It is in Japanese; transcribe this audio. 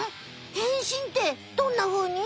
変身ってどんなふうに？